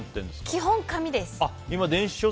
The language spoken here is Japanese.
基本、紙です。